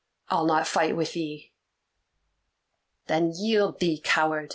I'll not fight with thee!" "Then yield thee, coward!"